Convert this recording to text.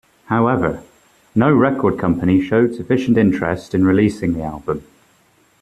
However, no record company showed sufficient interest in releasing the album.